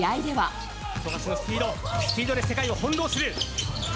富樫のスピード、スピードで世界を翻弄する。